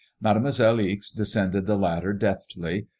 Made moiselle Ixe descended the ladder deftly.